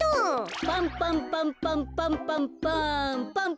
パンパンパンパンパンパンパン。